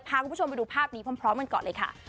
พาคุณผู้ชมไปดูภาพนี้พร้อมกันก่อนเลยค่ะ